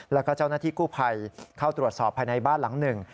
แล้วก็เจ้าหน้าที่กู้ภัยเข้าตรวจสอบภายในบ้านหลังหนึ่ง